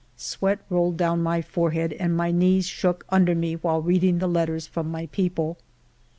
Sweat rolled down my forehead and my knees shook under me while reading the letters from my people.